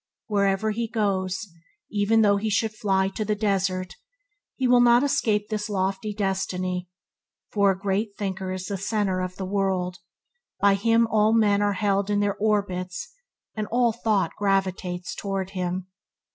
Wherever he goes, even though he should fly to the desert, he will not escape this lofty destiny, for a great thinker is the centre of the world; by him all men are held in their orbits and all thought gravitates towards him.